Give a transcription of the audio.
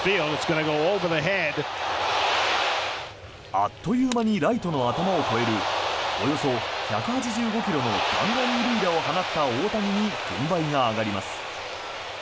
あっという間にライトの頭を越えるおよそ１８５ｋｍの弾丸２塁打を放った大谷に軍配が上がります。